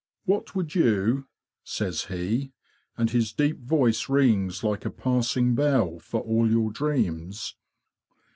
"What would you? "' says he, and his deep voice rings like a passing bell for all your dreams.